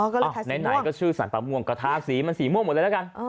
อ๋อก็เลยทาสีม่วงไหนก็ชื่อสรรป่าม่วงก็ทาสีมันสีม่วงหมดเลยแล้วกัน